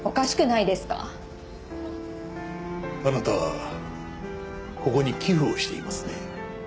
あなたはここに寄付をしていますね。